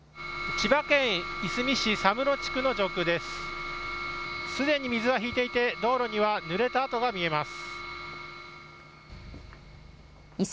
千葉県いすみ市佐室地区の上空です。